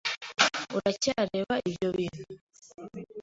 Uracyareba ibyo bintu?